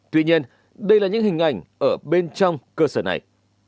tuy nhiên đây là những hình ảnh ở bên trong cơ sở này